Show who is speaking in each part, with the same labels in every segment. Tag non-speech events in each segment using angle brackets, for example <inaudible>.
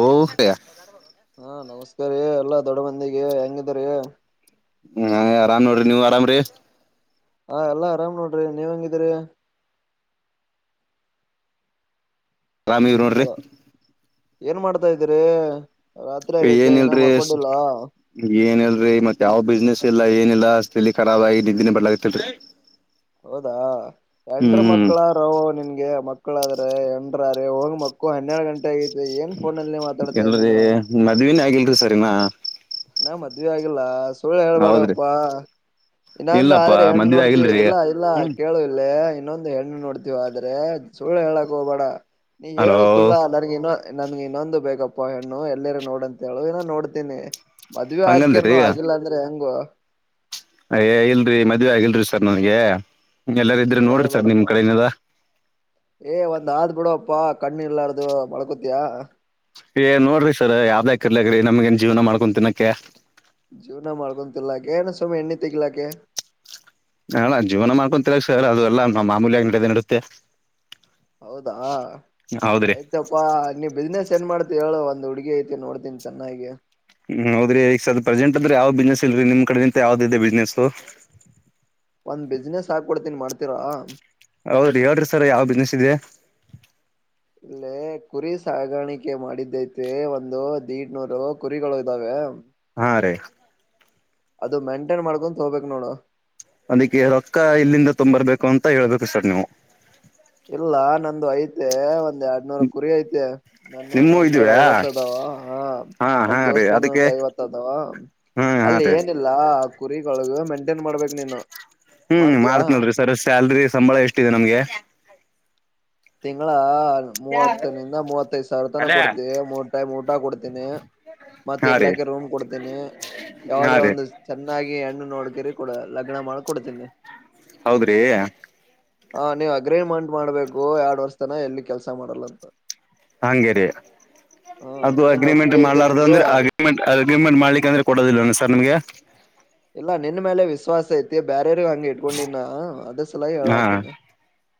Speaker 1: ಓ ಸ <unintelligible>
Speaker 2: ಹಾ, ನಮಸ್ಕಾರಿಎಲ್ಲಾ ದೊಡ್ಡ ಮಂದಿಗೆ ಹೆಂಗದೀರಿ.
Speaker 1: ಹ್ಮ, ಆರಾಮ್ ನೋಡ್ರಿ ನೀವ್ ಆರಾಮ್ರಿ
Speaker 2: ಹಾ, ಎಲ್ಲಾ ಆರಾಮ್ ನೋಡ್ರಿ ನೀವ್ ಹಂಗಿದೀರಿ.
Speaker 1: ರಾಮಿವ ನೋಡ್ರಿ, -
Speaker 2: ಏನ್ ಮಾಡ್ತಾ ಇದ್ದೀರಿ.
Speaker 1: ಏನ್ ಇಲ್ರಿ, ಏನ್ ಇಲ್ರಿಮತ್ತ್ ಯಾವ ಬಿಸ್ನೆಸ್ ಇಲ್ಲ ಏನಿಲ್ಲಾ ತಲಿಕರಾಬ ಆಗಿ ನಿದ್ದಿನೇ ಬರ್ಲತಿಲ್ರಿ.
Speaker 2: ಹೌದಾ, ಎಂಡ್ರು ಮಕ್ಕಳಾರ ನಿನ್ಗೆ ಮಕ್ಕಳಾದ್ರೆ ಎನ್ರ ರ ಹೋಗ್ ಮಕ್ಕು ಹನ್ನೆರಡು ಗಂಟೆ. ಗ ಏನ್ ಫೋನಲ್ಲಿ ಮಾತಾಡ್ತೀಯ ನೀನು.
Speaker 1: ಸರಿನಾ <unintelligible>
Speaker 2: ಇನ್ನಾ ಮದ್ವಿ ಆಗಿಲ್ಲ ಸುಳ್ಳು
Speaker 1: ಹೌದ್ರಿ
Speaker 2: ಹೇಳ್ಬೇಡಪ್ಪಾ ಇನ್ನಂದು
Speaker 1: ಇಲ್ಲಪ್ಪಾ
Speaker 2: ಆದ್ರೆ ಹೆಣ್ಣು
Speaker 1: ಮದ್ವೆ
Speaker 2: ನೋಡ್ತಿವಿ.
Speaker 1: ಆಗಿಲ್ರಿ
Speaker 2: ಇಲ್ಲ- ಇಲ್ಲ ಕೇಳುವ ಇಲ್ಲೇ ಇನ್ನೊಂದು ಹೆಣ್ಣು ನೋಡ್ತಿವಿಆದ್ರೆ ಸುಳ್ಳು ಹೇಳಕ್ ಹೋಗ್ಬೇಡ. ನೀ
Speaker 1: ಹಲೋ
Speaker 2: ಹೇಳಕುಲ್ಲಾ ನನಗ ನನ್ಗೆ ಇನ್ನೊಂದು ಬೇಕಪ್ಪಾ ಹೆಣ್ಣು ಎಲ್ಲಿರ ನೋಡಂತ ಹೇಳು ಏನ ನೋಡ್ತೀನಿ. ಮದ್ವೆ
Speaker 1: ಹಂಗಂದ್ರಿ
Speaker 2: ಹಾಕ್ಯಾರ್ನು ಆಗಿಲ್ಲ ಅಂದ್ರೆ ಹೆಂಗೋ
Speaker 1: ಏಯ್ ಇಲ್ರಿಮದ್ವೆೆ ಆಗಿಲ್ರಿ ಸರ್ ನನ್ಗೆ. ಎಲ್ಲಾರ ಇದ್ರೆ ನೋಡ್ರಿ ಸರ್ ನಿಮ್ ಕಡೆಲ್ಲಾ
Speaker 2: ಏಯ್, ಒಂದ್ ಆದ್ ಬಿಡೋಪ್ಪಾ ಕಣ್ಣು ಇಲ್ಲಾರ್ದು ಮಡಳ್ಕೊತೀಯ.
Speaker 1: ಏ ನೋಡ್ರಿ ಸರ್ ಯಾವ್ದ್ಯಾಕ್ ಇರ್ಲಕಿ ನಮಗ ಏನ್ ಜೀವನ ಮಾಡ್ಕೋಂ ತಿನ್ನಕ್ಕೆೆ.
Speaker 2: ಲಾಕ ಸುಮ್ಮ ಎಣ್ಣ ತಗಲಾಕ <unintelligible>
Speaker 1: ಹ ಜೀವನ ಮಾಡ್ಕೊಂತ ಸರ್ ಅದು ಎಲ್ಲ ನಮ್ಮ ಮಾಮೂಲ್ಯ ನಡದೆ ನಡುತ್ತೆ.
Speaker 2: ಹೌದಾ,
Speaker 1: ಹೌದ್ರಿ
Speaker 2: ಆಯ್ತಪ್ಪಾ ನೀ ಬಿಸ್ನೆಸ್ ಏನ್ ಮಾಡ್ತತಿವಿ ಹೇಳ ಒಂದ ಹುಡುಗಿ ಐತಿ ನೋಡ್ತಿನಿ ಚೆನ್ನಾಗಿ.
Speaker 1: ಹ್ಮ್, ಹೌದ್ರಿ ಈಗ ಸರ್ ಪ್ರೆಸೆಂಟ್ ಅಂದ್ರ ಯಾವ್ದ ಬಿಸ್ನೆಸ್ ಇಲ್ರಿ, ನಿಮ್ ಕಡೆ ನಿಂತ ಯಾವ್ದ ಇದೆ ಬಿಸ್ನೆಸ್.
Speaker 2: ಒಂದ್ ಬಿಸ್ನೆಸ್ ಹಾಕ್ ಕೊಡ್ತೀನಿ ಮಾಡ್ತೀರಾ..
Speaker 1: ಹೌದ್ರಿ, ಹೇಳ್ರಿ ಸರ್ ಯಾವ ಬಿಸ್ನೆಸ್ ಇದೆ.
Speaker 2: ಇಲ್ಲೇ ಕುರಿ ಸಾಗಾಣಿಕೆ ಮಾಡಿದ್ದೈತಿ ಒಂದು ದಿಡ್ನೂರು ಕುರಿಗಳು ಇದ್ದಾವೆ.
Speaker 1: ಹಾ, ರಿ
Speaker 2: ಅದು ಮೆಂಟೈನ್ ಮಾಡ್ಕೊಂತ ಹೋಗ್ಬೇಕ ನೋಡು.
Speaker 1: ಅದಕ್ಕೆ ರೊಕ್ಕ ಎಲ್ಲಿಂದ ತಂಬರ್ಬೇಕು ಅಂತ ಹೇಳ್ಬೇಕು ಸರ್ ನೀವು.
Speaker 2: ಇಲ್ಲ ನಂದು ಐತೆ ಒಂದ ಎರಡ್ ನೂರ ಕುರಿ ಐತೆ ನಂದ ಒಂದ
Speaker 1: ನಿಮ್ಮೂ
Speaker 2: ನೂರ
Speaker 1: ಇದವ್ಯಾ
Speaker 2: ಐವತ್ ಅದಾವ. ಹಾ
Speaker 1: ಹಾ ಹಾ
Speaker 2: ನಮ್
Speaker 1: ರೀ
Speaker 2: ದೋಸ್ತ್
Speaker 1: ಅದಕ್ಕೆ
Speaker 2: ಒಂದ ಐವತ್ತ ಅದವಾ
Speaker 1: ಹ್ಮ್ ಹಾ
Speaker 2: ಅಲ್ಲಿ
Speaker 1: ರೀ
Speaker 2: ಏನಿಲ್ಲ ಕುರಿಗಳು ಮೇಂಟೇನ್ ಮಾಡ್ಬೇಕು ನೀನು.
Speaker 1: ಹ್ಮ್,
Speaker 2: ಮಾಡ್ತೀಯಾ
Speaker 1: ಮಾಡ್ತ್ನಲ್ರಿ ಸರ್ ಸ್ಯಾಲ್ರಿ ಸಂಬಳ ಎಷ್ಟಿದೆ ನಮ್ಗೆ. -
Speaker 2: ತಿಂಗಳಾ,, ಮೂವತ್ತರಿಂದ ಮೂವತ್ತೈದು್ ಸಾವಿರ ತನ
Speaker 1: ಹಾ
Speaker 2: ಕೊಡ್ತೀವಿ ಮೂರಟೈಮ್ ಊಟ ಕೊಡ್ತೀನಿ. ಮತ್ತ
Speaker 1: ರೀ
Speaker 2: ಇರ್ಲಾಕ ರೂಮ್ ಕೊಡ್ತೀನಿ.
Speaker 1: ಹಾ
Speaker 2: ಯಾವದ್ರ
Speaker 1: ರೀ
Speaker 2: ಒಂದು ಚೆನ್ನಾಗಿ ಹೆಣ್ಣು ನೋಡ್ ಕೊಡ ಲಗ್ನ ಮಾಡಿ ಕೊಡ್ತೀನಿ.
Speaker 1: ಹೌದ್ರಿ, -
Speaker 2: ಹ, ನೀವ್ ಅಗ್ರೇಮಂಟ್ ಮಾಡ್ಬೇಕು ಎರಡ್ ವರ್ಷ ತನ ಎಲ್ಲಿ ಕೆಲ್ಸ ಮಾಡಲ್ಲ ಅಂತ.
Speaker 1: ಹಂಗೇರಿ
Speaker 2: ಹ
Speaker 1: ಅದು
Speaker 2: ಏನ್
Speaker 1: ಅಗ್ರಿಮೆಂಟ್
Speaker 2: ಒಪ್ಪಿಗೆ ಐತೆ
Speaker 1: ಮಾಡ್ಲಾರು
Speaker 2: ನಿಮ್ಗೆ
Speaker 1: ಅಂದ್ರೆ, ಅಗ್ರಿಮೆಂಟ್- ಅಗ್ರಿಮೆಂಟ್ ಮಾಡ್ಲಿಲ್ಲ ಅಂದ್ರೆ ಕೊಡೋದಿಲ್ಲ ಸರ್ ನಿಮ್ಗೆ
Speaker 2: ಇಲ್ಲ ನಿನ್ ಮೇಲೆ ವಿಶ್ವಾಸ ಐತಿ ಬೇರ್ರ ಹಂಗಗೆ ಇಟ್ಕೊಂಡಿನ ಅ
Speaker 1: ಹಾ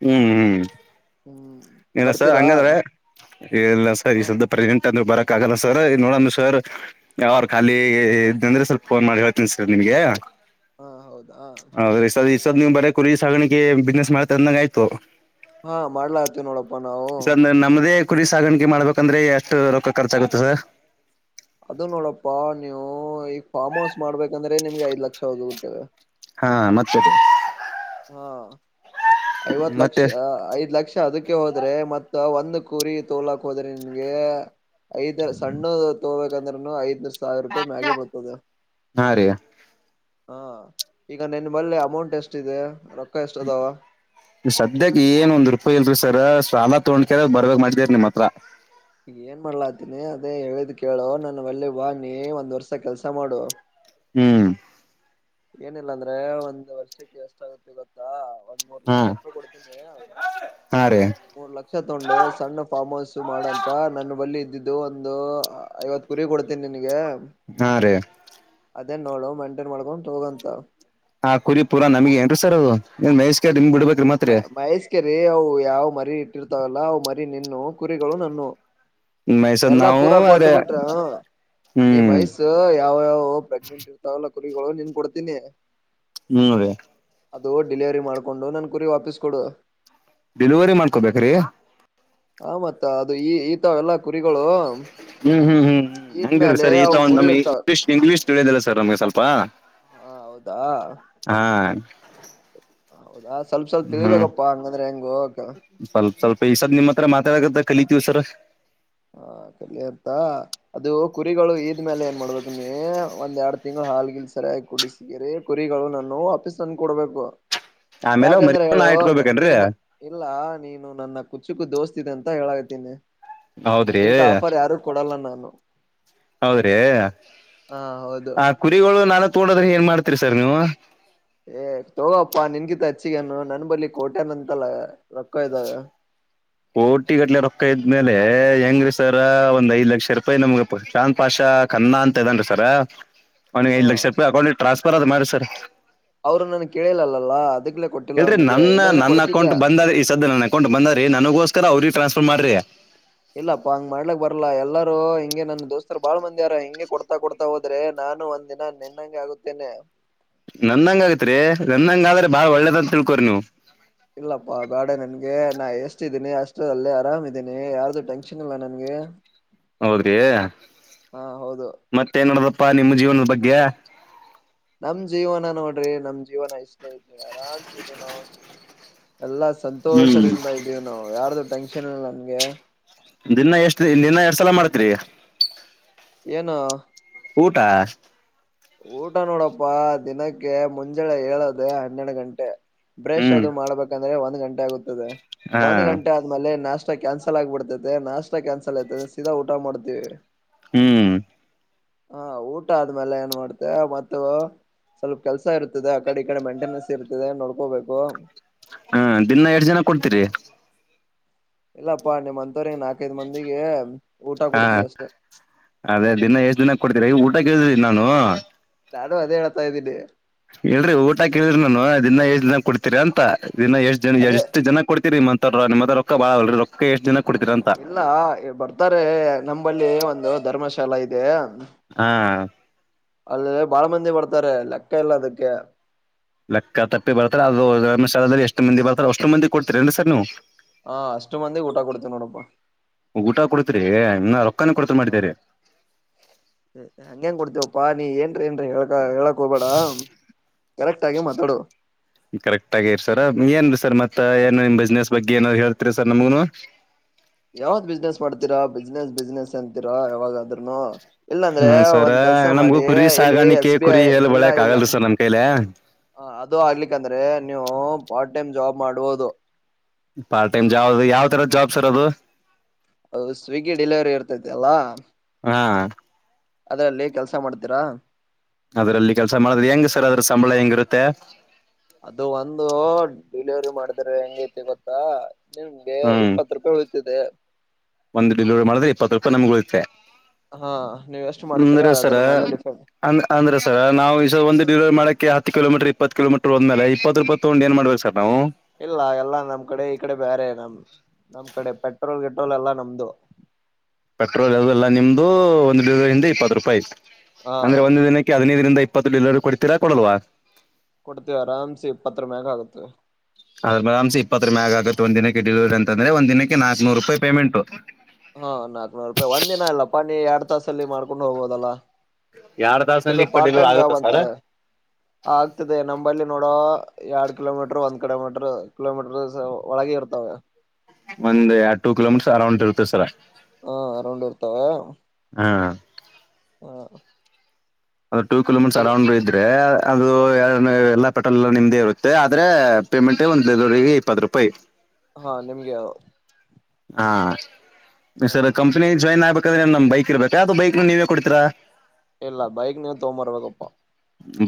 Speaker 1: ಹ್ಮ್ ಹ್ಮ್
Speaker 2: ಹ್ಮ್
Speaker 1: ಇಲ್ಲ ಸರ್
Speaker 2: ಬರ್ತೀರಾ
Speaker 1: ಹಂಗಾದ್ರ ಇಲ್ಲ ಸರ್
Speaker 2: ಹ
Speaker 1: ಈ ಸವಲ್ದ ಪ್ರೆಸೆಂಟ್ ಬರಕ್ ಆಗಲ್ಲ ಸರ್ ನೋಡ ಸರ್ ಅವ್್ರ ಖಾಲಿ ಇದ್ದಂದ್ರೆ ಸ್ವಲ್ಪಫೋನ್ ಮಾಡಿ ಹೇಳ್ತೀನಿ ಸರ್ ನಿಮಗೆ
Speaker 2: ಹ ಹೌದಾ
Speaker 1: <unintelligible> ಹೌದೆ ಈದ ನೀ್ ಬರ ಕುರಿ ಸಾಗಿಕೆ ಬಿಸ್ನೆಸ್ ಮಾಡತ ಅಂದಂಗ ಆಯ್ತು
Speaker 2: ಹಾ ಮಾಡ್ಲಾ ಆತವ ನೋಡಪ್ಪ
Speaker 1: ಸರ್ಂದ ನಮದೇ ಕುಡಿ ಸಾಗಾಣಿಕೆ ಮಾಡ್ಬೇಕಂದ್ರೆ ಎಷ್ಟು ರೊಕ್ಕ ಖರ್ಚಾಗುತ್ತೆ ಸರ್
Speaker 2: ಅದು ನೋಡಪ್ಪಾ ನೀವು ಈಗ ಫ್ಮ್ ಹೌಸ್ ಮಾಡ್ಬೇಕಂದ್ರೆ ನಿಮ್ಗೆ ಐದ್ ಲಕ್ಷದಗುತ್ತವೆ
Speaker 1: ಹಾ ಮತ್ತರಿ <unintelligible>
Speaker 2: ಹಾ ಐವತ್ ಲಕ್ಷ
Speaker 1: ಮತ್ತೆ
Speaker 2: ಐದ್ ಲಕ್ಷ ಅದಕ್ಕೆ ಹೋದ್ರೆ ಮತ್ತ ಒಂದು ಕುರಿ ತೋಲಾಕ್ ಹೋದ್ರೆ ನಿನ್ಗೆ ಐದ್ ಸಣ್ಣ ತೋಬೇಕಂದ್ರನು ಐದ್ನ ಸಾವಿರ ರೂಪಾಯಿ ಮ್ಯಾಗೆ ಬರ್ತದೆ
Speaker 1: ಹಾ ರೀ
Speaker 2: ಹಾ ಈಗ ನಿನ್ ಬಲ್ಲ ಅಮೌಂಟ್ ಎಷ್ಟಿದೆ ರ
Speaker 1: ಸದ್ಯಕ್ಕೆ ಏನ್ ಒಂದ್ ರೂಪಾಯಿ ಇಲ್ರಿ ರ ಸಾಲ ತೊೊಂಡ್ಕ ಬರ್ಬೇಕಕ್ ಮಾಡಿದೀರ್ ನಿಮ್ಮ್ ಹತ್ರ.
Speaker 2: ಈ ಏನ್ ಮಾಡ್ಲಾತೀನಿ ಅದೇ ಹೇಳಿದ್ ಕೇಳೋ ನನ್ನ ಒಳ್ಳೆ ಬಾಣಿ ಒಂದ್ ವರ್ಷ ಕೆಲ್ಸ ಮಾಡು.
Speaker 1: ಹ್ಮ್.
Speaker 2: ಏನಿಲ್ಲ ಅಂದ್ರೆ ಒಂದ್ ವರ್ಷಕ್ಕೆ ಎಷ್ಟ ಆಾಗುತ್ತೆ ಗೊತ್ತಾ. ಒಂದ್ ಮೂರ್
Speaker 1: ಹಾ
Speaker 2: ಲಕ್ಷ ರೂಪಾಯಿ ಕೊಡ್ತೀನೆ.
Speaker 1: ಹಾ ರೀ
Speaker 2: ಮೂರ್ ಲಕ್ಷ ತೊಂಡು ಸಣ್ಣ ಫಾರ್ಮ್ ಹೌಸ್ ಮಾಡಂತ ನನ್ನ ಬಲ್ಲಿಿ ಇದ್ದ. ಇದು ಒಂದು ಐವತ್ ಕುರಿ ಕೊಡ್ತೀನಿ ನಿನಗೆ.
Speaker 1: ಹಾ ರೇ.
Speaker 2: ಅದೇನ್ ನೋಡ ಮೈಂಟೈನ್ ಮಾಡ್ಕೊಂಡು ತೋಗಂತ.
Speaker 1: ಹ ಕುರಿ ಪುರ ನಮಗೆ ಏನ್ ಸರ್ ಮಹೇಶ್ಗೆ.
Speaker 2: ಮ ಮಹೇಶ್ಗೆರಿ ಅವು ಯಾವ್ ಮರಿ. ಇಟ್ಟಿರ್ತಾವಲ್ಲ ಅವು ಮರಿ ನಿನ್ನ ಕುರಿಗಳು ನನ್ನು.
Speaker 1: ಮೈಸದ್
Speaker 2: ಎಲ್ಲಾ
Speaker 1: ನಾವು
Speaker 2: ಪೂರಾ ಕೊಟ್ಟ
Speaker 1: ಆದ್ರೆ
Speaker 2: ಬಿಿಟ್ರ ನೀ್
Speaker 1: ಹ್ಮ್
Speaker 2: ಮಯಸ್ಸ ಯಾವ್ಯಾವ್ ಪ್ರೆಗ್ನೆಂಟ್ ಇರ್ತಾವಲ್ಲ. ಕುರಿಗಳು ನೀನ್ ಕೊಡ್ತೀನಿ.
Speaker 1: ಹ್ಮ್ ಅದೇ.
Speaker 2: ಅದು ಡಿಲಿವರಿ ಮಾಡ್ಕೊಂಡು ನನ್ ಕುರಿ ವಾಪಸ್ ಕೊಡುುವ.
Speaker 1: ಡೆಲಿವರಿ ಮಾಡ್ಕೊಬೇಕ್ರೀ.
Speaker 2: ಆ ಮತ್ತ ಅದು ಈ ಈತಾವ ಎಲ್ಲಾ ಕುರಿಗಳು.
Speaker 1: ಹ್ಮ್ ಹ್ಮ್ ಹ್ಮ್ ಹ್ಮ್ ಹಂಗಿರಿ
Speaker 2: ಇದ್ಮೇಲೆ
Speaker 1: ಸ ಈತ
Speaker 2: ಅವು
Speaker 1: ಒ್
Speaker 2: ಕುರಿ
Speaker 1: ನಮ್ ಇ್್
Speaker 2: ಇರ್ತಾವ
Speaker 1: <unintelligible> ಇಂಗ್ಲಲಿಷ್ ತಿಳಿದಿಲ್ಲ ಸರ್ಮಗೆ ಸ್ವಲ್ಪ.
Speaker 2: ಹ ಹೌದಾ
Speaker 1: ಹಾ.
Speaker 2: ಹೌದಾ ಸ್ವಲ್ಪ ಸ್ವಲ್ಪ
Speaker 1: ಹ್ಮ್
Speaker 2: ತಿಳಬೇಕಪ್ಪಾ ಹಂಗಂದ್ರೆ ಹೆಂಗು.
Speaker 1: ಸ್ವಲ್ಪ ಸ್ವಲ್ಪ ಈ ಸ ನಿಮ್ಮ ಹತ್ರ ಮಾತಾಡಕತ್ತ ಕಲಿತೀವಿ ಸರ್.
Speaker 2: ಹ ಕಲ ಅತ ಅದು ಕುರಿಗಳು ಇದ್ಮೇಲೆ ಏನ್ ಮಾಡ್ಬೇಕು ನೀ. ಒಂದ್ ಎರಡ್ ತಿಂಗಳು ಹಾಲ್ಗಿಲ್ ಸರಿಯಾಗಿ ಕುಡಿಸಗರಿ ಕುರಿಗಳು ನಾನ ವಾಪೀಸ್ ನನ್ ಕೊಡ್ಬೇಕು.
Speaker 1: ಆಮೇಲೆ ಮರಿ
Speaker 2: ಯಾಕಂದ್ರೆ
Speaker 1: ನಾ
Speaker 2: ಹೇಳು
Speaker 1: ಇಟ್ಕೋಬೇಕೇನ್ರಿ
Speaker 2: ನೀನ್ ಇಲ್ಲ ನೀನು ನನ್ನ ಕುಚಕ್ಕೂ ದೋಸ್ತಿ. ಅಂತ ಹೇಳತೀನಿ
Speaker 1: ಹೌದ್ರಿ
Speaker 2: ಇಂತ ಆಫರ್ ಯಾರು ಕೊಡಲ್ಲ ನಾನು.
Speaker 1: ಹೌದ್ರಿ
Speaker 2: ಹಾ ಹೌದು
Speaker 1: ಆ ಕುರಿಗಳು ನಾನು ತೋೊಂಡದ್ರೆ ಏನ್ ಮಾಡ್ತ. ರಿ ಸರ್ ನೀವು.
Speaker 2: ಏ ತಗೋಪ್ಪಾ ನಿನ್ಗಿಂತ ಹಚ್ಚಿಗನು ನನ್ ಬರ್ಲಿ ಕೋಟೆನಂತಲ್ಲ ರೊಕ್ಕ ಇದಾಗ.
Speaker 1: ಕೋಟಿ ಗಟ್ಲೆ ರೊಕ್ಕ ಇದ್ಮೇಲೆ ಹೆಂಗ್ರೀ ಸರ್ ಒಂದ್ ಐದ್ ಲಕ್ಷ ರೂಪಾಯಿ ನಮ್ಗೆ ಶಾನ್ ಪಾಶ. ಕನ್ನ ಅಂತ ಇದನ್ರಿ ಸರ್ ಅವ್ನಿಗೆ
Speaker 2: ಹ
Speaker 1: ಐದ್ ಲಕ್ಷ ರೂಪಾಯಿ ಅಕೌಂಟ್ ಟ್ರಾನ್ಸ್ಫರ್ ಅದ್ ಮಾಡಿ ಸರ್.
Speaker 2: ಅವರು ನನ್ು ಕೇಳಲಲ್ಲಲ್ಲ ಅದಕ್ಕೆ.
Speaker 1: ಹೇಳರಿ ನನ್ನ ನನ್ನ ಅಕೌಂಟ್ ಬಂದ ಈ ಸದ ನನ್ನ ಅಕೌಂಟ್ ಬಂದ ರೀ ನನಗೋಸ್ಕರ ಅವ್ರ ಟ್ರಾನ್ಸ್ಫರ್. ಟ್ರಾನ್ಸ್ಫರ್ ಮಾಡಿ
Speaker 2: ಇಲ್ಲಾಪ್ಪಾ ಹಂಗ್ ಮಾಡ್ಲಕ್ ಬರ್ಲ್ಲ ಎಲ್ಲಾರರು ಹಿಂಗೆ ನನ್ ದೋಸ್ತರು ಬಾಳ್ ಮಂದಿ ಯಾರ ಹಿಂಗೆ ಕೊಡ್ತಾ ಕೊಡ್ತಾ ಹೋದ್ರೆ ನ ನಾನು ಒಂದ್ ದಿನ ನಿೆನ್ನಂಂಗ ಆಗುತ್ತೇನೆ.
Speaker 1: ನಂದಂಗ ಆಗೇತ್ರಿ ನಂದಂಗ ಆದ್ರೆ ಬಾಳ್ ಒಳ್ಳೇದಂತ ತಿಳ್ಕೋ್ರಿ ನೀವು.
Speaker 2: ಇಲ್ಲಪ್ಪಾ ಗಾಡ ನನ್ಗೆ ನಾ ಎಷ್ಟ್ದೀನಿ ಅಷ್ಟ ಅಲ್ಲಿ ಆರಾಮ್್ದೀನಿ ಯಾರ್ದು ಟೆನ್ಷನ್ ಇಲ್ಲ ನನ್ಗೆ. ಹ.
Speaker 1: ಹೌದ್ರಿ
Speaker 2: ಹೌದು
Speaker 1: ಮತ್ತೆನಡ. ಪ್ಪಾ ನಿಮ್ಮ ಜೀವನದ ಬಗ್ಗೆ.
Speaker 2: ನಮ್ ಜೀವನ ನೋಡ್ರಿ ನಮ್ ಜೀವನ ಇಷ್ಟೇ ಇದ್ದನ ಅರನ್ಸಿದೀನೋಸು. ಎಲ್ಲಾ
Speaker 1: ಹ್ಮ್
Speaker 2: ಸಂತೋಷದಿಂದ ಇದೀವಿ ನಾವು ಯಾರ್ದು ಟೆನ್ಷನ್ ಇಲ್ಲ ನನ್ಗೆ.
Speaker 1: ನಿನ್ನಾ ಎಷ್ಟ ನಿನ್ನ ಎರಡ್ ಸಲ ಮಾಡ್ತಿರಿ.
Speaker 2: ಏನು.
Speaker 1: ಊಟ.
Speaker 2: ಊಟ ನೋಡಪ್ಪಾ ದಿನಕ್ಕೆ ಮುಂಜಳೆ ಹೇಳ್ದ ಹನ್ನೆಡು ಗಂಟೆ. ಬ್ರಷ್
Speaker 1: ಹ್ಮ್
Speaker 2: ಅದು ಮಾಡ್ಬೇಕಂದ್ರೆ ಒಂದ್ ಗಂಟೆ ಆಗುತ್ತದೆ
Speaker 1: ಹಾ
Speaker 2: ಒಂದ್ ಗಂಟೆ ಆದ್ಮೇಲೆ ನಾಶ. ನಷ್ಟ ಕ್ಯಾನ್ಸಲ್ ಆಗ್ಬಿಡ್ತೈತೆ ನಾಷ್ಟ ಕ್ಯಾನ್ಸಲ್ ಆಯತೆ ಸೀದಾ ಊಟ ಮಾಡ್ತೀವಿ.
Speaker 1: ಹ್ಮ್
Speaker 2: ಹಾ ಊಟ ಆದ್ಮೇಲೆ ಏನ್ ಮಾಡ್ತೆ ಮ ಸ್ವಲ್ಪ ಕೆಲ್ಸ ಇರ್ತದೆ ಆ ಕಡೆ ಈ ಕಡೆ ಮೈಂಟೆನೆನ್ಸ್ ಇರ್ತದೆ ನೋಡ್ಕೋಬೇಕು
Speaker 1: ಹ್ಮ ದಿನಾ ಎರಡ್ ಜನ ಕೊಡ್ತೀರಿ
Speaker 2: ಎಲ್ಲಪ್ಪ ನಿಮ್ಮ ಅಂತ ಇತ್ತವ್ರ ನಾಕೈದು ಮಂದಿಗೆ ಊಟ
Speaker 1: ಹಾ
Speaker 2: ಕೊಡ್ತೀವಿ ಅಷ್ಟೆ
Speaker 1: ಕೇಳಿದೀಿ ನಾನು
Speaker 2: ನಾನು ಅದೇ ಹೇಳ್ತಾ ಇದ್ದೀನಿ
Speaker 1: ಹೇಳ್ರಿ ಊಟಾ ಇ ಹೇಳ್ರಿ ನಾನು ದಿನ ಏಷ್ಟ ದಿನ ಕುಡ್ತಿೀರಿ ಅಂತ ಇದನ್ನ ಎಷ್ಟ್ ಜ
Speaker 2: ಅದೇ
Speaker 1: ಎಷ್ಟ ಜನ ಕೊಡ್ತಿೀರಿ ಅಂತ ನಿಮ್ಮದ ರೊಕ್ಕ ಬಾಳ ಅಲ್ರಿ ರೊಕ್ಕ ಎಷ್ಟ್ ಜನ ಕೊಡ್ತೀರ ಅಂತ
Speaker 2: ಇಲ್ಲ ಬರ್ತಾರೆ ನಂಬಲ್ಲಿ ಒಂದು ಧರ್ಮಶಾಲಾ ಇದೆ
Speaker 1: ಹಾ
Speaker 2: ಅಲ್ಲ ಬಾಳ ಮಂದಿ ಬರ್ತಾರೆ ಲೆಕ್ಕ ಇಲ್ಲ ಅದಕ್ಕೆ
Speaker 1: ಲೆಕ್ಕ ತಪ್ಪಿ ಬರ್ತಾರೆ ಅದು ಗಥಾಲದಲ್ಲಿ ಎಷ್ಟು ಮಂದಿ ಬರ್ತಾರೆ ಅಷ್ಟೊ ಮಂದಿ ಕೊಡ್ತೀರ ನ್ರಿ ಸರ್ ನೀವು
Speaker 2: ಹಾ ಅಷ್ಟು ಮಂದಿ ಊಟ ಕೊಡ್ತೇವಿ ನೋಡ
Speaker 1: ಊಟ ಕೊಡ್ತ್ರಿ ಇನ್ನ ರೊಕ್ಕನ ಕೊಡ್ತ ಮಾಡಿದೇರಿ
Speaker 2: ಹ ಹಂ ಹೆಂಗ ಕೊಡ್ತೇವ ಪಾನಿ ಏನ್ರ ಏನ್ೀ ಹೇಳಕ ಹೇಳಕ್ ಹೋಗಬೇಡ ಕರೆಕ್ಟ್ ಆಗಿ ಮಾತಾಡುವ
Speaker 1: ಕರೆಕ್ಟ್ ಆಗೇ ಸರ್ ಏನ್ೀ ಸರ್ ಮತ್ತ ಏನು ನಿಮ್ ಬಿಸ್ನೆಸ್ ಬಗ್ಗೆ ಏನ ಹೇಳ್ತಿರಿ ಸರ್ ನಮಗನು
Speaker 2: ಯಾವದ್ ಬಿಸ್ನೆಸ್ ಮಾಡ್ತೀರಾ ಬಿಸ್ನೆಸ್ ಬಿಸ್ನೆಸ್ ಅಂತೀರಾ ಯಾವಾಗಾದ್ೂನು ಇಲ್ಲಾಂದ್ರೆ
Speaker 1: ಹ್ಮ ಸರ
Speaker 2: ಒಂದ ಕೆಲ್ಸ
Speaker 1: ನಮ್ಗೂ
Speaker 2: ಮಾಡಿ
Speaker 1: ಕುರಿ
Speaker 2: ಇಲ್ಲಿ
Speaker 1: ಸಾಗಾಣಿಕೆ
Speaker 2: ಎಸ್ ಬಿ
Speaker 1: ಕುರಿ
Speaker 2: ಐ
Speaker 1: ಹೇಲ್
Speaker 2: ಎಲ್ಲಾ
Speaker 1: ಬೆಳ್ಯಾಕ್
Speaker 2: ಇಲ್ಲ
Speaker 1: ಆಗಲ್ರಿ ಸರ್ ನಮ್ ಕೈಲೆ
Speaker 2: ಹ ಅದು ಆಗ್ಲಿಕ್ಕಂದ್ರೆ ನೀವು ಪಾರ್ಟ್ ಟೈಮ್ ಜಾಬ್ ಮಾಡುವುದು
Speaker 1: ಪಾರ್ಟ್ ಟೈಮ್ ಜಾ ಅದು ಯಾವ್ ತರದ ಜಾಬ್ ಸರ್ ಅದು
Speaker 2: ಹ ಸ್ವಿಗ್ಗಿ ಡೆಲಿವರಿ ಇರ್ತೈತಿ ಅಲ್ಲ
Speaker 1: ಹಾ
Speaker 2: ಅದ್ರಲ್ಲಿ ಕೆಲ್ಸ ಮಾಡ್ತೀರಾ
Speaker 1: ಅದ್ರಲ್ಲಿ ಕೆಲ್ಸ ಮಾಡದ ಹೆಂಗ ಸರ್ ಅದ್ರ ಸಂಬಳ ಹೆಂಗಿರುತ್ತೆ
Speaker 2: ಅದು ಒಂದು ಡಿಲಿವರಿ ಮಾಡಿದ್ರ ಹೆಂಗೈತಿ ಗೊತ್ತಾ ನಿಮ್ಗೆ
Speaker 1: ಹ್ಮ್
Speaker 2: ಇಪ್ಪತ್ ರೂಪಾಯಿ ಉಳಿತಿದೆ
Speaker 1: ಒಂದ ಡಿಲಿವರಿ ಮಾಡಿದ್ರೆ ಇಪ್ಪತ್ತು ರೂಪಾಯಿ ನಮ್ಗ ಉಳತೆೆ
Speaker 2: ಹಾ ನೀವ್ ಎಷ್ಟು ಮಾಡ್ತೀರಾ
Speaker 1: ಅಂದ್ರೆ ಸರ
Speaker 2: ಅದ್ರ ಮೇಲೆ ಡಿಫೆಂಡ್.
Speaker 1: ಅ ಅಂದ್ರೆ ಸರ ನಾವು ಈ ಒಂದು ಡಿಲಿವರಿ ಮಾಡಕ್ಕೆ ಹ ಕಿಲೋಮಟರ್ ಇಪ್ಪ ಕಿೋಮೀರ್ ಒಂದೇ ಇಪ್ಪತ್ತು ರೂಾಯ ತಗೊಂಡ ಏನ್ ಮಾಡಬೇಕ ಸರ್ ನಾವು
Speaker 2: ಇಲ್ಲ ಎಲ್ಲಾ ನಮ್ ಕಡೆ ಈ ಕಡೆ ಬೇರೆ ನಮ್ ನಮ್ ಕಡೆ ಪೆಟ್ರೋಲ್ ಗಟ್ರೋಲ್ ಎಲ್ಲಾ ನಮ್ದು
Speaker 1: ಪೆಟ್ರೋಲ್ ಅದುಲ್ಲಾ ನಿಮ್ದು ಒಂದು್ ಲೀರ್ಂದ ಇಪ್ಪತ್ತು ರೂಪಾಯಿ ಐ
Speaker 2: ಹಾ
Speaker 1: ಅಂದ್ರೆ ಒಂದ್ ದಿನಕ್ಕೆ ಹದಿನೈದರಿಂದ ಇಪ್ಪತ್ತು ಲಲರ್ ಕೊಡ್ತೀರಾ ಕೊಡಲ್ವ
Speaker 2: ಕೊಡ್ತೀವಿ ಅರನ್ಸಿ ಇಪ್ಪತ್ರರ ಮ್ಯಾಾಗ ಆಗುತ್ತೆ
Speaker 1: ಅದ ಮೇಾಮ್ ಇಪ್ಪತ್ತ ರ ಮ್ಯಾಗ ಆಗುತ್ತೆ ಒಂದ್ ದಿನಕ್ಕೆ ಡೆಲಿವರಿ ಅಂದೆ ಒಂದಿನಕ್ಕೆ ನಾಕ್ೂ ರಪಾಯಿ ಪೇಮೆಂಟ್
Speaker 2: ಹಾ ನಾಕ್ನೂರು ರೂಪಾಯಿ ಒಂದ್ಿನ ಅಲ್ಲ ಪಾನಿ ಎರಡ್ ತಾಸಲ್ಲಿ ಮಾಡ್ಕೊಂಡು ಹೋಗೋದಲ್ಲಾ
Speaker 1: ಎರಡ್ ತಾಸನಲ್ಲಿ ಇಪ್ಪತ್ತು
Speaker 2: ಪಾರ್ಟ್
Speaker 1: ಡಿಲಿವರಿ
Speaker 2: ಟೈಮ್ ಜಾಬ್
Speaker 1: ಆಗುತ್ತಾ ಸರ್
Speaker 2: ಅಂತಾರೆ ಆಗ್ತದೆ ನಂಬಲ್ಲಿಿ ನೋಡೋ ಎರಡ್ ಕಿಲೋಮೀಟ್ರರ್ ಒಂದ್ ಕಿಲೋಮೀಟ್ರ ಕಿಲೋಮೀಟ್ರ ಒಳಗ ಇರ್ತಾವ
Speaker 1: ಒಂದ ಟೂ ಕಿಲೋಮೀಟರ್ ಅರೌಂಡ್ ಇರುತ್ತೆ ಸರ
Speaker 2: ಹಾ ಅರೌಂಡ್ ಇರ್ತಾವ
Speaker 1: ಹ್ಮ
Speaker 2: ಹಾ
Speaker 1: ಒಂದು ಟೂ ಕಿಲೋಮೀಟರ್ ಅರೌ್ ಇದ್ರೆ ಅದು ಎಲ್ಲಾ ಪೆಟ್ರೋಲ್ ಎಲ್ಲ ನಿಮ್ದೇ ಇರುತ್ತೆ ಆದ್ರೆ ಪೇಮೆಂಟ್ ಒಂದು ಡೆಲವರಿಗೆ ಇಪ್ಪತ್ತು ರೂಪಾಯಿ
Speaker 2: ಹಾ ನಿಮ್ಗೆ
Speaker 1: ಹಾ ಈ
Speaker 2: ಹಾ
Speaker 1: ಸರ್ ಕಂಪನಿ ಜಾಯಿನ್ ಆಗ್ಬೇಕ ಯ್ರೆ ನಮ್ೈ ಇರ್ಬೇಕ ಯವುದು ಬೈಕ್ ನೀವೇ ಕೊಡ್ೀರಾ
Speaker 2: ಇಲ್ಲ ಬೈಕ್ ನೀವು ತಗಂಬರ್ವಾಗಪ್ಪಾ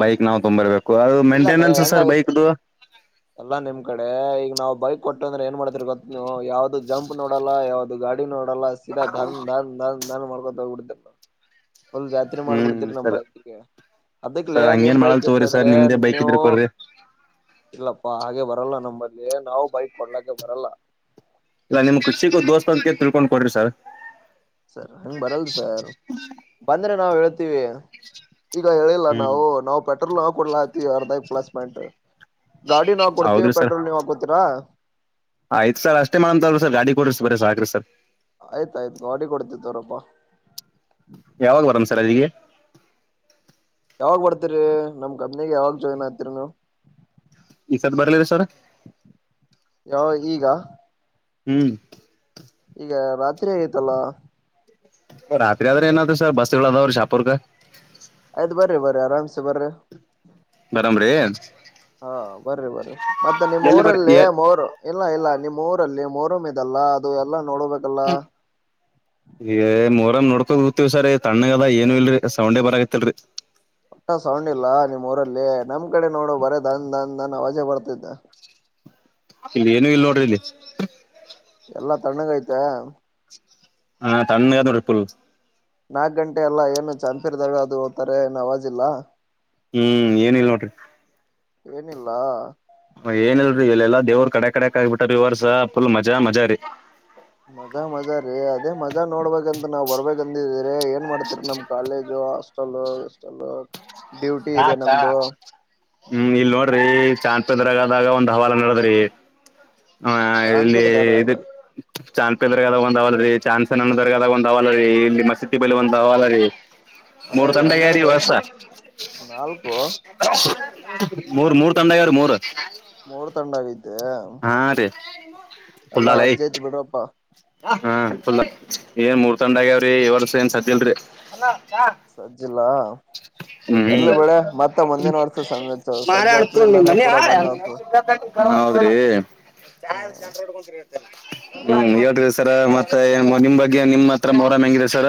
Speaker 1: ಬೈಕ್ ನಾವವು ತೊಂಬರ್ಬೇಕು ಅದು
Speaker 2: ಇಲ್ಲಾಂದ್ರೆ
Speaker 1: ಮೇಂಟೆನೆನ್ಸ್ ಸರ್
Speaker 2: ಹೆಂಗಾಗುತ್ತೆ
Speaker 1: ಬೈಕ್ದು
Speaker 2: ಎಲ್ಲ ನಿಮ್ ಕಡೆ ಈಗ ನಾವ್ ಬೈಕ್ ಕೊಟ್ಟುಂದ್ರೆ ಏನ್ ಮಾಡ್ತರ್ ಗೊತ್ತ ನೀವು ಯಾವ್ದದು ಜಂಪ್ ನೋಡಲ್ಲ ಯಾವ್ದದು ಗಾಡಿ ನೋಡಲ್ಲ ಸರಾ ಧನ್ ಧನ್ ಧನ್ ಧನ್ ಮಾಡ್ಕೊತ ಬಿಡ ಒಲ್ ಜಾತ್ರೆ
Speaker 1: ಹ್ಮ್
Speaker 2: ಮಾಡ್ಬಿಡ್ತಿೀರಿ ನಮ್
Speaker 1: ಸರ್
Speaker 2: ಬೈಕ್ಗೆ ಅದಕ್ಲೆೇ
Speaker 1: ಸರ್
Speaker 2: ನಿಮ್
Speaker 1: ಹಂಗೇನ್ ಮಾಡಲ್
Speaker 2: ಬೈಕ್
Speaker 1: ತಗೋರಿ ಸರ್
Speaker 2: ಇರ್ತದ್ರೆ
Speaker 1: ನಿಮ್ದೇ ಬೈಕ್
Speaker 2: ನೀವು
Speaker 1: ಇದ್ರೆ ಕೊಡ್ರಿ
Speaker 2: ಇಲ್ಲಪ್ಪಾ ಹಾಗೆ ಬರಲ್ಲ ನಮ್ಮ ಅಲ್ಲಿ ನಾವು ಬೈಕ್ ಕೊಡ್ಲಕ್ಕೆ ಬರಲ್ಲ
Speaker 1: ಇಲ್ಲ ನಿಮ್ ಖುಷಿಗ ದೋಸ್ತ ಅಂತ ತಿಳ್ಕೊಂಡ್ ಕೊಡ್ರಿ ಸರ್
Speaker 2: ಸರ್ ಹಂಗ ಬರಲ್ ಸರ್ ಬಂದ್ರೆ ನಾವವು ಹೇಳ್ತೀವಿ ಈಗ ಹೇಳಿಲ್ಲ
Speaker 1: ಹ್ಮ್
Speaker 2: ನಾವು ನಾವು ಪೆಟ್ರೋಲ್ ನವು ಕೊಡ್ಲಾ ಆತಿವಿ ಅರ್ಧೈಕ್ ಪ್ಲಸ್ ಪಾಯಿಂಟ್ ಗಾಡಿಿನವು ಕೊಡ್ತೀವಿ ಪೆಟ್ರೋಲ್ ನೀವ್ಕ ಕೊಡ್ತೀರಾ
Speaker 1: ಆಯ್ತು ಸ ಅಷ್ಟೇ ಮಾಡಂತವ್ರರು ಸರ್ ಗಾಡಿ ಕೊಡ್ರರಿಿ ಬರ ಸಾಕ್ರಿ ಸರ್
Speaker 2: ಆಯ್ತಾಯ್ತು ಅಾಡಿ ಕೊಡ್ತಿತ್ತು ಅವ್ರಪ್ಪಾ
Speaker 1: ಯಾವಾಗ ಬರಂ ಸರ್ ಅದಿಗೆ
Speaker 2: ಯಾವಾಗ್ ಬರ್ತೀರಿೀ ನಮ್ ಕಂಪ್ನಿಗೆ ಯಾವಾಗ ಜಾಯಿನ್ ಆಗ್ತಿೀರಿ ನೀ
Speaker 1: ಎದ ಬರ್ಲಿದೆ ಸರ್
Speaker 2: ಶಾವ ಈಗ
Speaker 1: ಹ್ಮ್
Speaker 2: ಈಗ ರಾತ್ರಿ ಆಗೈತಲ್ಲ
Speaker 1: ರಾತ್ರಿ ಆದ್ರೆ ಏನಾದ ಸರ್ ಬಸ್ಗಳ ಅದಾವ್ರ ಶಾಪೂರ್ಗ
Speaker 2: ಆಯ್ತು ಬರ್ರ ಬರ್ರ ಆರಾಮಸೆ ಬರ್ರ
Speaker 1: ಬರಾಮ್ರರಿ
Speaker 2: ಹಾ ಬನ್್ರರಿ ಬನ್್ರರಿ ಮತ್ತೆ ನಿಮ್ಮ್
Speaker 1: ಎಲ್ಲಿ ಬರ್
Speaker 2: ಊರಲ್ಲಿ ಅವರು ಎಲ್ಲಾ ಇಲ್ಲ ನೀ್ರಲ್ಲಿ ಮೋರ ಮ ಇದಲ್ಲಾ ಅದು ಎಲ್ಲಾ ನೋಡ್ಬೇಕಲ್ಲ
Speaker 1: ಮೂೋರಾಮ ನೋಡ್ಕೋ ್ ಸ ರೀ ತಣ್ಣಗ ಅದ ಏನು ಇಲ್ರರಿ ಸೌಂಡೇ ಬರ ಆತ್ತಲ್ರರಿ
Speaker 2: ಊಟ್ಟ ಸೌಂಡ್ ಇಲ್ಲ ನಿಮ್ಮ್ ಊರಲ್ಲಿ ನಮ್ ಕಡೆ ನೋಡು ಬರೇ ದನ್ ದನ್ ದನ್ ಅವಾಜೆ ಬರ್ತಿದ್ದೆ
Speaker 1: ಇಲ್ಲಿ ಏನು ಇಲ್ಲಿ ನೋಡ್ರಿ ಇಲ್ಲಿ
Speaker 2: ಎಲ್ಲಾ ತಣ್ಣಂಗ ಐತೆ
Speaker 1: ಹಾ ತ್ಣ ಯಾದ ರಪಲ್
Speaker 2: ನಾಕ್ ಗಂಟೆ ಅಲ್ಲ ಏನು ಚಂದ್ಪೀರ್ದಾರ್ ಅದು ಹದ್ತಾರೆ ಏನು ಅವವಾಜ ಇಿಲ್ಲ
Speaker 1: ಹ್ಮ್ ಏನ ಇಲ್ ನೋಡ್ರಿ
Speaker 2: ಏನಿಲ್ಲ
Speaker 1: ಏನಿಲ್ರರಿ ಇಲ್ಲೆಲ್ಲಾ ದೇವ್ರ ಕಡೆ ಕಡೆ ಆಗ್ಬಿಟ ಇವರ್ಸ ಫುಲ್ ಮಜಾ ಮಜಾ ರೀ
Speaker 2: ಮಜಾ ಮಜಾ ರ ಆದ ಅದೇ ಮಜಾ ನೋಡ್ಬೇಕಂತ ನಾವ್ ಬರ್ಬೇಕ ಅಂದಿದೀರಿ ಏನ್ ಮಾಡ್ತಿರಿ ನಮ್ ಕಾಲೇಜು ಹಾಸ್ಟೆಲ್ಲ್
Speaker 1: ಹತಾ ಹ್ಮ್ ಇಲ್ ನೋಡ್ರಿ ಚ ಬೆದರಗಾದಾಗ ಒಂದು್ ಹವಲು ನಡೆದ್ರಿ ಆ ಇಲ್ಲಿ
Speaker 2: ಚಾಂಪಿರ್ ದರ್ಗಾ
Speaker 1: ಇ
Speaker 2: ಅಲ್ಲ
Speaker 1: ಚಾನ್ಪೇದವರ್ಗದಾಗ ಒ್ ಅವವಲ್ಲ ರೀ ಚಾನ್ಸನ್ನ್ಣದವರ್ಗದಾಗ ಒಂದ ಅವಲ್ಲರಿ ಇಲ್ಲಿ ಮಸೀಟಿ ಬಳಿ ಒಂದ್ ಅವವಲ್ಲ ರೀ
Speaker 2: ಏ
Speaker 1: ಮೂರ್ ತಂಡಗಾರಿ
Speaker 2: ಹಂಗಂದ್ರೆ ಎಷ್ಟು
Speaker 1: ಹೊಸ
Speaker 2: ನಾಲ್ಕು
Speaker 1: ಮೂರ್ ಮೂರ್ ತಂಡ ಯವರು ಮೂರ
Speaker 2: ಮೂರ್ ತಂಡ ಆಗೈತಿ
Speaker 1: ಹಾ ರೀ
Speaker 2: ಎಲ್ಲಾ
Speaker 1: ಫುಲ್ಲಾಲೈ
Speaker 2: ವಜ್ಜಾಯತಿ ಬಿಡ್ರಪ್ಪಾ
Speaker 1: ಹಾ ಫುಲ್ ಏನ್ ಮೂರ್ ತಂಡ ಆಗ್ಯಾವ್ರಿ ಈ ವರ್ಷ ಏನ್ ಸದಿಲ್ರಿ
Speaker 2: ಸಜ್ಜಲಾ
Speaker 1: ಹ್ಮ
Speaker 2: ಸಜ್ ಸಜ್ಜ
Speaker 1: ಮಾರಾಯಣ
Speaker 2: ಆತದ
Speaker 1: ಪೂರ್ಣಿ
Speaker 2: ಇಲ್ಲಾಂದ್ರೆ
Speaker 1: ಮನೆ
Speaker 2: ಪೂರಾ
Speaker 1: ಯಾರ
Speaker 2: ಬಂದ್ ಆತದ
Speaker 1: ಹ ಹೌದ್ರಿ
Speaker 2: ಹ
Speaker 1: ಹ್ಮ ಸರ ಮತ್ತೆ ನಿಮ್ ಬಗ್ಗೆ ನಿಮ್ಮ್ ಹತ್ರ ಮರಾಮ್ ಹಂಗಿದೆ ಸರ.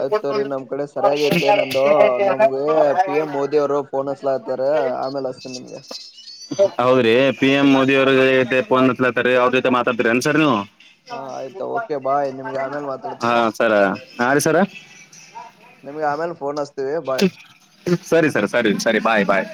Speaker 2: ಆಯ್ತ್ವ್ರೀ ನಮ್ ಕಡೆ ಸರಿಯಾಗಿ ತೆ ನಂದು ನಮ್ಗೆ ಪಿ ಎಂ ಮೋದಿ ಅವರು ಫೋನ್ ಹಸ್ಲ ಆತಾರೆ ಆಮೇಲೆ ಹಸ್ತೇನೆ ನಿಮ್ಗೆ
Speaker 1: ಹೌದ್ರಿ ಪಿ ಎಂ ಮೋದಿ ಅವ್ರತೆ ೋನ್ಲತಾರೆ ಅವ್ರ ಜೊತೆ ಮಾತಾಡ್ತೀರಿ ಅನ್ಸರ್ ನೀವು.
Speaker 2: ಹಾ ಆಯ್ತಾ ಓಕೆ ಬಾಯ್ ನಿಮ್ಗೆ ಆಮೇಲೆ
Speaker 1: ಹಾ
Speaker 2: ಮಾತಾಡ್ತೀನಿ
Speaker 1: ಸರ ಯ ರೀ ಸರ
Speaker 2: ನಿಮ್ಗೆ ಆಮೇಲೆ ಫೋನ್ ಅಸ್ತೆ
Speaker 1: ಸರಿ ಸರಿ ಸರಿ ಸರಿ ಬಾಯ್ ಬಾಯ್